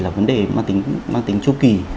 là vấn đề mang tính tru kỳ